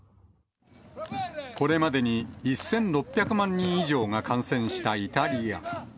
これまでに１６００万人以上が感染したイタリア。